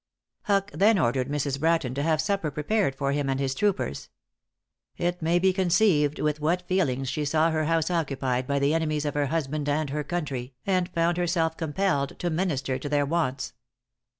Huck then ordered Mrs. Bratton to have supper prepared for him and his troopers. It may be conceived with what feelings she saw her house occupied by the enemies of her husband and her country, and found herself compelled to minister to their wants.